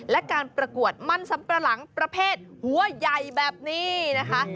และการประกวดมันสำปะหลังประเภทหัวใหญ่แบบนี้นะคะ